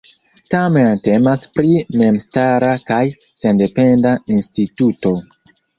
Tamen temas pri memstara kaj sendependa instituto.